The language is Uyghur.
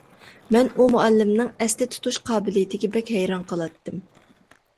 مەن ئۇ مۇئەللىمنىڭ ئەستە تۇتۇش قابىلىيىتىگە بەك ھەيران قالاتتىم.